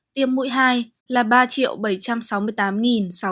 tiêm mũi hai là ba bảy trăm sáu mươi tám sáu trăm tám mươi ba liều